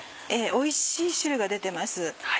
おいしい汁が出てます。